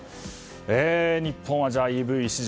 日本はＥＶ市場